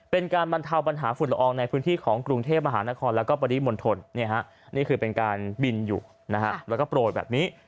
เป็นการบรรเทาปัญหาฝุ่นละอองในพื้นที่ของกรุงเทพมหานครและปริมณฑลเป็นการบินอยู่และโปรยแบบนี้